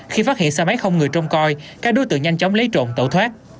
khi phát hiện xe máy không người trông coi các đối tượng nhanh chóng lấy trộm tẩu thoát